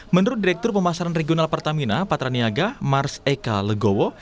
menurut direktur pemasaran regional pertamina patraniaga mars eka legowo